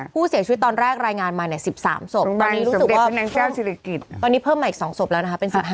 ผู้เสียชีวิตตอนแรกรายงานมาเนี่ย๑๓ศพตอนนี้เพิ่มมาอีก๒ศพแล้วนะครับเป็น๑๕